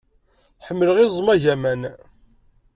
Ḥemmleɣ iẓem agaman.